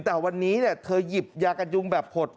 แต่วันนี้เธอหยิบยากันยุงแบบหด